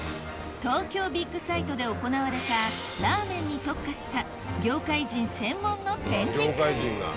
東京ビッグサイトで行われたラーメンに特化した業界人専門の展示会